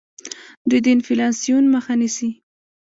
دوی د انفلاسیون مخه نیسي.